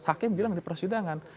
hakim bilang di persidangan